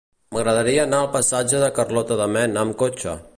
M'agradaria anar al passatge de Carlota de Mena amb cotxe.